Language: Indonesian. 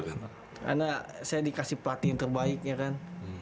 karena saya dikasih pelatih yang terbaik ya kan